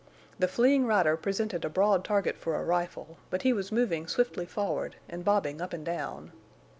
The fleeing rider presented a broad target for a rifle, but he was moving swiftly forward and bobbing up and down.